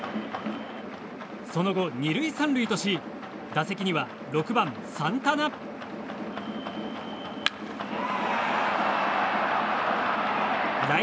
その後、２塁３塁とし打席には６番、サンタナ。